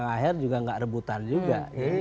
mbak nana juga gak rebutan juga